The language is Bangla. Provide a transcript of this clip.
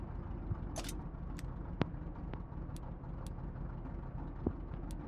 মাটির চাহিদা মেটাতে প্রচুর পরিমাণ মাটি সংগ্রহ করে মজুত করা হচ্ছে।